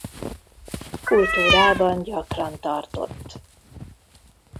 Kultúrában gyakran tartott.